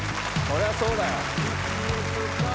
そりゃそうだよ。